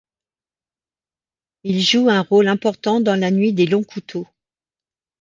Il joue un rôle important dans la nuit des Longs Couteaux.